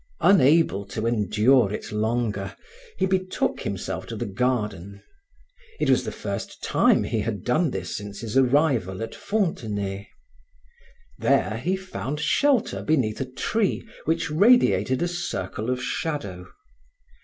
Unable to endure it longer, he betook himself to the garden. It was the first time he had done this since his arrival at Fontenay. There he found shelter beneath a tree which radiated a circle of shadow.